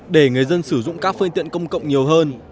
để người dân sử dụng các phương tiện công cộng nhiều hơn